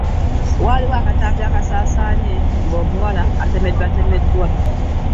Waliwo akatambi akasaasanye ng'omuwala atemeddwatemeddwa